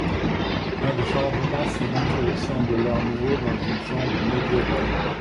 L'un des changements fut l'introduction de l'art nouveau dans une chambre médiévale.